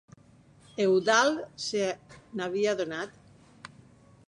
Eudald se n'havia adonat?